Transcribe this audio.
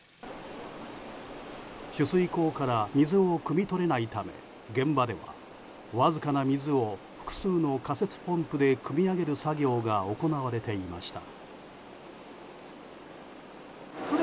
取水口から水をくみ取れないため現場では、わずかな水を複数の仮設ポンプでくみ上げる作業が行われていました。